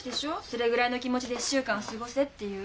それぐらいの気持ちで１週間を過ごせっていう。